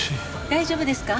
大丈夫ですか？